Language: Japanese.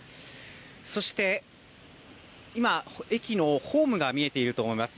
そして、今、駅のホームが見えていると思います。